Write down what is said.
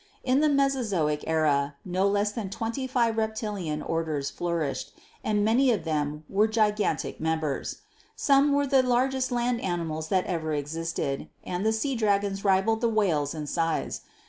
In the Mesozoic era no less than twenty five reptilian orders flourished, and many of them had gigantic members. Some were the largest land animals that ever existed, and the sea dragons rivaled the whales in size.